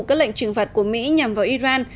các lệnh trừng phạt của mỹ nhằm vào iran